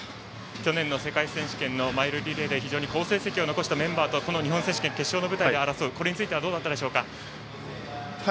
去年の世界選手権のマイルリレーで非常に好成績を残したメンバーと日本選手権決勝の舞台で争うこれについてはどうだったでしょうか。